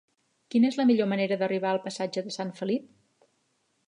Quina és la millor manera d'arribar al passatge de Sant Felip?